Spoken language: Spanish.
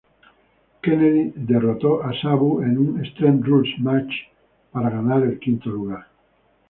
Kennedy derrotó a Sabu en un Extreme Rules Match para ganar el quinto lugar.